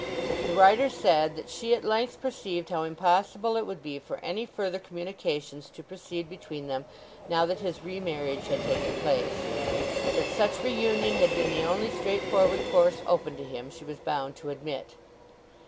The writer said that she at length perceived how impossible it would be for any further communications to proceed between them now that his re marriage had taken place. That such reunion had been the only straightforward course open to him she was bound to admit.